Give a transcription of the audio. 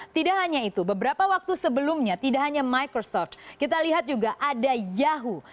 tidak hanya itu beberapa waktu sebelumnya tidak hanya microsoft kita lihat juga ada yahoo